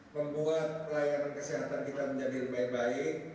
membuat pelayanan kesehatan kita menjadi lebih baik